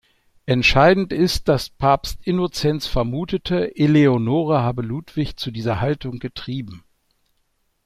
Entscheidend ist, dass Papst Innozenz vermutete, Eleonore habe Ludwig zu dieser Haltung getrieben.